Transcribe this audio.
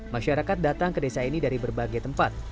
masyarakat datang ke desa ini dari berbagai tempat